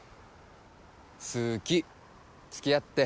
「好き付き合って」